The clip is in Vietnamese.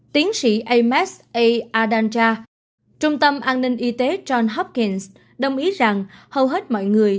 tiến sĩ ames a adanja trung tâm an ninh y tế john hopkins đồng ý rằng hầu hết mọi người